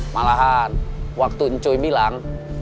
malahan waktu ncoy bilang